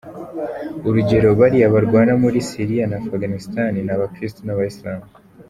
Urugero, baliya barwana muli Syria na Afghanistan, ni Abakristu n’Abaslamu.